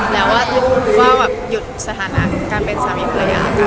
แต่ว่าหยุดสถานะการเป็นสามีภรรยากาศ